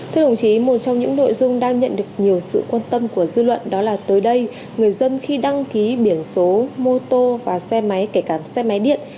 thưa đồng chí một trong những nội dung đang nhận được nhiều sự quan tâm của dư luận đó là tới đây người dân khi đăng ký biển số mô tô và xe máy kể cả xe máy điện